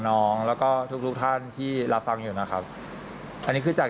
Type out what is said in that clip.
น้องแล้วก็ทุกทุกท่านที่รับฟังอยู่นะครับอันนี้คือจาก